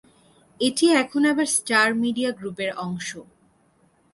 এটি এখন আবার স্টার মিডিয়া গ্রুপের অংশ।